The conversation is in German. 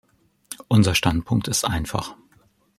Unser Standpunkt ist einfach.